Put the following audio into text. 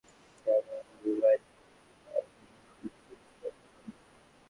Daniel Radcliffe এবং Judi Dench পরস্পরের বন্ধু।